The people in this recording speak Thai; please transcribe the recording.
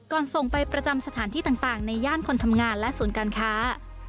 ส่งไปประจำสถานที่ต่างในย่านคนทำงานและศูนย์การค้า